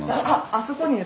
あそこにね